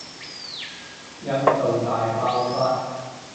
印度大爆發